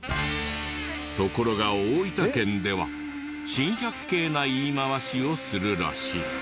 ところが大分県では珍百景な言い回しをするらしい。